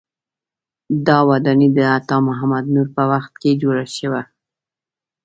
دا ودانۍ د عطا محمد نور په وخت کې جوړه شوه.